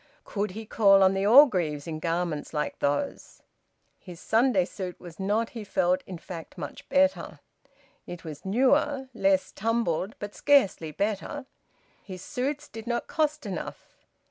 Could he call on the Orgreaves in garments like those? His Sunday suit was not, he felt, in fact much better. It was newer, less tumbled, but scarcely better. His suits did not cost enough.